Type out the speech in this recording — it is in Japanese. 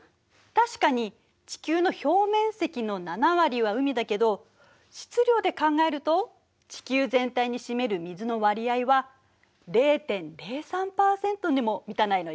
確かに地球の表面積の７割は海だけど質量で考えると地球全体に占める水の割合は０．０３％にも満たないのよ。